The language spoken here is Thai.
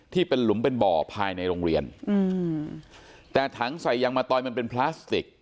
ที่เป็นหลุมเป็นบ่อภายในโรงเรียนอืมแต่ถังใส่ยางมะตอยมันเป็นพลาสติก